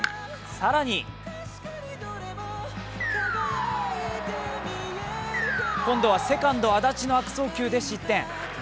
更に今度はセカンド・安達の悪送球で失点。